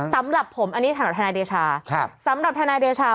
สำหรับผมอันนี้ถนัดธนายเดชา